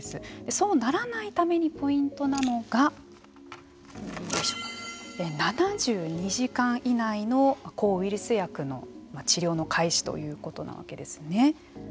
そうならないためにポイントなのが７２時間以内の抗ウイルス薬の治療の開始ということなわけですね。